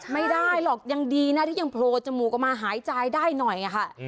ไม่ได้หรอกยังดีนะที่ยังโผล่จมูกออกมาหายใจได้หน่อยค่ะ